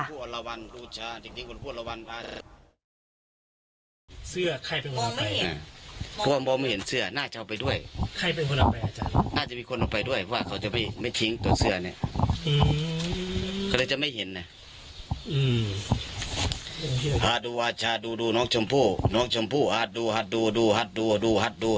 อาจารย์ดูอาจารย์ดูดูดูน้องชมพู่น้องชมพู่อาจารย์ดูหัดดูดูหัดดูดูหัดดู